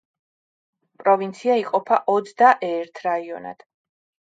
პროვინცია იყოფა ოცდაერთ რაიონად.